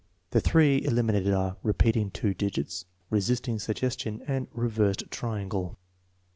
The 3 eliminated are: repeating 2 digits, resisting suggestion, and " reversed triangle."